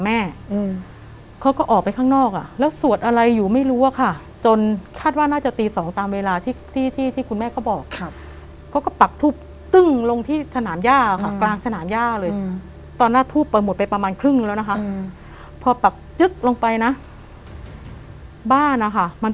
มากที่สุดเจอกันเกือบทุกวัน